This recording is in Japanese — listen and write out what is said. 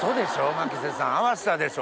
牧瀬さん合わしたでしょ？